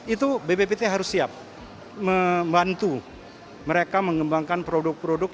itu bppt harus siap membantu mereka mengembangkan produk produk